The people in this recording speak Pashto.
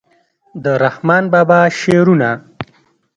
د رحمان بابا شعرونه